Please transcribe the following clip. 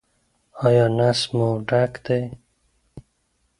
ایا نس مو ډک دی؟